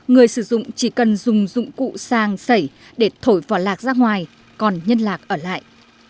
người sử dụng chỉ cần dùng dụng cụ sàngy để thổi vỏ lạc ra ngoài còn nhân lạc ở lại